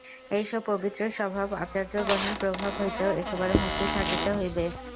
এইসব পবিত্রস্বভাব আচার্যগণের প্রভাব হইতেও একেবারে মুক্ত থাকিতে হইবে।